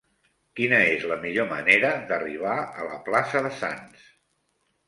Quina és la millor manera d'arribar a la plaça de Sants?